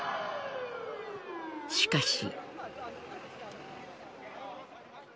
しかし。